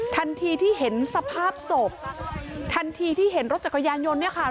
ทันทีที่เห็นสภาพศพทันทีที่เห็นรถจักรยานยนต์เนี่ยค่ะ